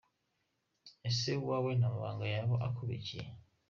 Ese uwawe nta mabanga yaba akubikiye ?.